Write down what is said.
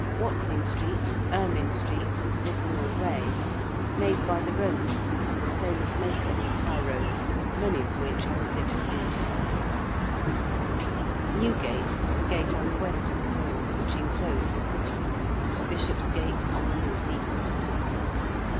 ~Watling Street~, ~Ermyn Street~, ~Vicinal Way~: made by the Romans, who were famous makers of high roads, many of which are still in use. (See map on p. 15.) ~Newgate~ was a gate on the west of the walls which enclosed the City; ~Bishopsgate~, on the north east.